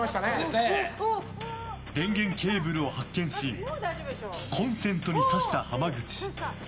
電源ケーブルを発見しコンセントに挿した浜口。